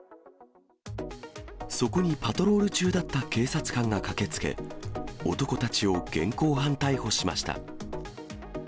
そこにパトロール中だった警察官が駆けつけ、男たちを現行犯逮捕しました。